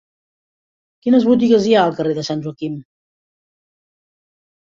Quines botigues hi ha al carrer de Sant Joaquim?